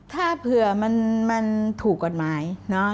ถ้าเผื่อมันถูกกฎหมาย